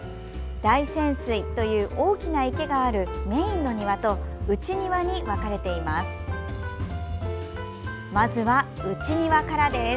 大泉水という大きな池があるメインの庭と内庭に分かれています。